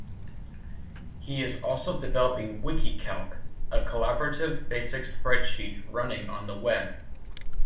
He is also developing wikiCalc, a collaborative, basic spreadsheet running on the Web.